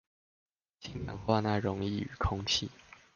氫氧化鈉溶液與空氣